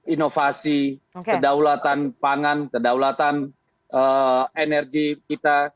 inovasi kedaulatan pangan kedaulatan energi kita